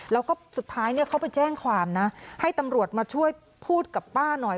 แล้วก็สุดท้ายเนี่ยเขาไปแจ้งความนะให้ตำรวจมาช่วยพูดกับป้าหน่อย